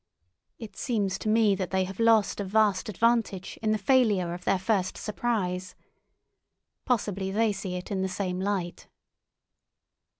It seems to me that they have lost a vast advantage in the failure of their first surprise. Possibly they see it in the same light.